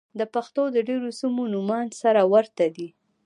د پښتنو د ډېرو سيمو نومان سره ورته دي.